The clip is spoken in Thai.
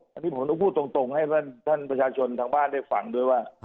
นึกถึงผมพูดตรงให้ท่านประชาชนบ้านได้ฝังด้วยว่า